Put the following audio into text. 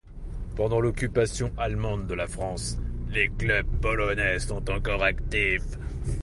Pendant l'occupation allemande de la France, les clubs polonais sont encore actifs.